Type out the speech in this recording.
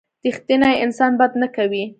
رښتینی انسان بد نه کوي.